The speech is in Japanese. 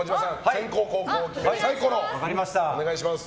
先攻・後攻を決めるサイコロをお願いします。